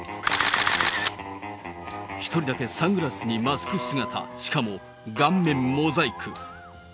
１人だけサングラスにマスク姿、しかも顔面モザイク。